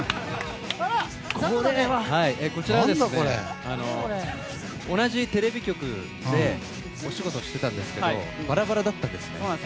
こちらはですね、同じテレビ局でお仕事していたんですけどバラバラだったんですね。